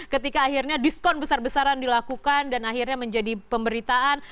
ketika akhirnya diskon besar besaran dilakukan dan akhirnya menjadi pemberitaan